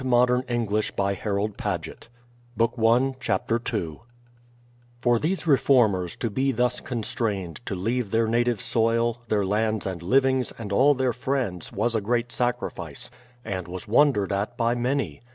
CHAPTER n Flight to Holland (Amsterdam and Leyden) : 1607 1608 For these reformers to be thus constrained to leave their native soil, their lands and livings, and all their friends, was a great sacrifice, and was wondered at by many.